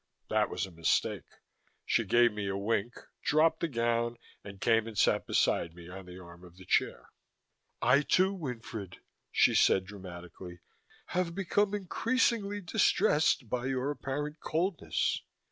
That was a mistake. She gave me a wink, dropped the gown and came and sat beside me on the arm of the chair. "I too, Winfred," she said dramatically, "have become increasingly distressed by your apparent coldness."